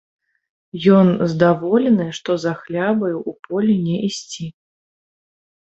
Ён здаволены, што за хлябаю ў поле не ісці.